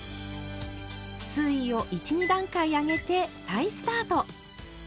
水位を１２段階上げて再スタート。